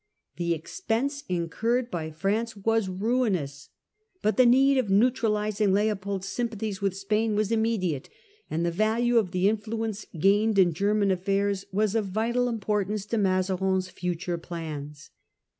The expense incurred by F ranctfwas ruinous ; but the need of neutralising Leopold's 1658 . Battle of the Dunes * 77 sympathies with Spain was immediate, and the value of the influence gained in German affairs was of vital importance to Mazarin's future plans.